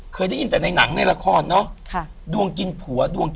เคยได้ยินแต่ในหนังในละครเนาะดวงกินผัว